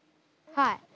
はい。